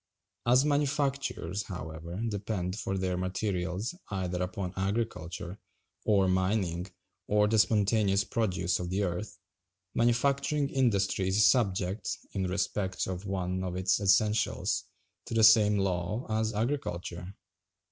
As manufactures, however, depend for their materials either upon agriculture, or mining, or the spontaneous produce of the earth, manufacturing industry is subject, in respect of one of its essentials, to the same law as agriculture.